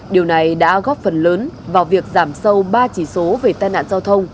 điều này đã góp phần lớn vào việc giảm sâu ba chỉ số về tai nạn giao thông